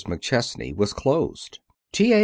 MCCHESNEY" was closed. T. A.